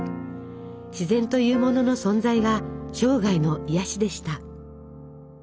自然というものの存在が生涯の癒やしでした。